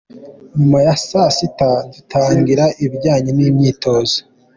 Nyuma ya Saa sita dutangira ibijyanye n’imyitozo.